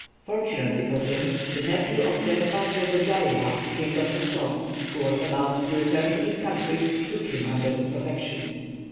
Fortunately for him, the nephew of Demba Jego Jalla, King of Kasson, who was about to return to his country, took him under his protection.